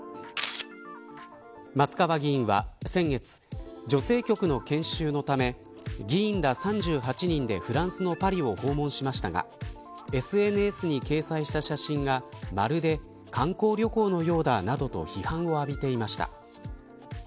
松川議員は先月女性局の研修のため議員ら３８人でフランスのパリを訪問しましたがＳＮＳに掲載した写真がまるで観光旅行のようだなどと批判を浴びていました。